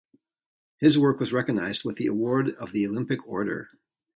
His work was recognized with the award of the Olympic Order.